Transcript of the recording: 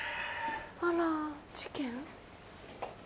あら事件？